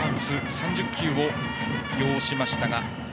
３０球を要しましたが。